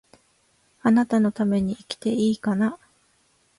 貴方のために生きていいかな